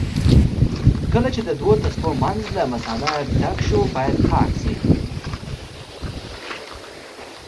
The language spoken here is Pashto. کله چې د دوو تسمو منځ له مسالې ډک شو باید صاف کړل شي.